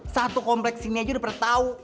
satu kompleks ini aja udah pernah tahu